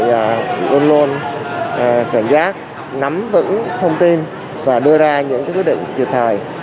luôn luôn kiểm giác nắm vững thông tin và đưa ra những quyết định trực thời